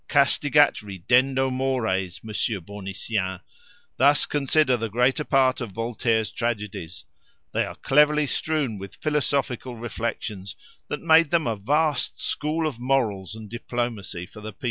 "Castigat ridendo mores, Monsieur Bournisien! Thus consider the greater part of Voltaire's tragedies; they are cleverly strewn with philosophical reflections, that made them a vast school of morals and diplomacy for the people."